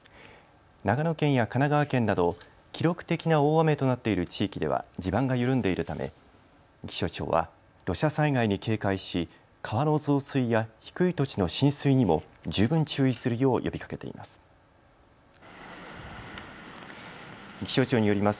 長野県や神奈川県など記録的な大雨となっている地域では地盤が緩んでいるため気象庁は土砂災害に警戒し川の増水や低い土地の浸水にも十分注意するよう呼びかけています。